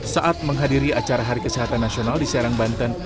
saat menghadiri acara hari kesehatan nasional di serang banten